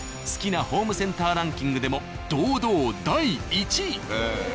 好きなホームセンターランキングでも堂々第１位。